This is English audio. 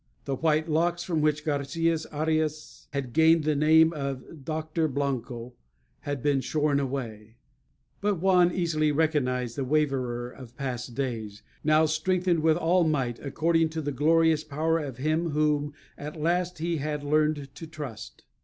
The white locks, from which Garçias Ariâs had gained the name of Doctor Blanco, had been shorn away; but Juan easily recognized the waverer of past days, now strengthened with all might, according to the glorious power of Him whom at last he had learned to trust.